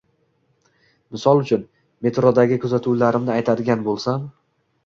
Misol uchun, metrodagi kuzatuvlarimni aytadigan boʻlsam